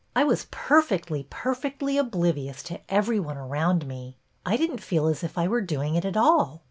I was perfectly, perfectly oblivious to every one around me. I did n't feel as if I were doing it at all.